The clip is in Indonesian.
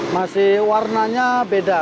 masih warnanya beda